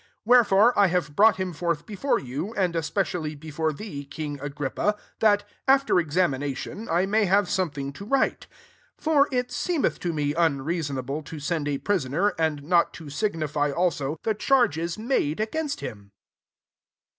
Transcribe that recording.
Wherefore I have brought him forth before you, wd especially, before thee, ^g Agrippa, that, after exa mination, I may have some hing to write. 27 For it seemMh to me unreasonable to send a prisoner, and not to signify also the charges tn^de against him."